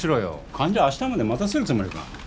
患者明日まで待たせるつもりか？